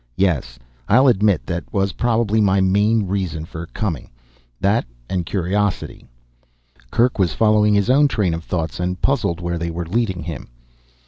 Yes, I'll admit that was probably my main reason for coming, that and curiosity." Kerk was following his own train of thoughts, and puzzled where they were leading him.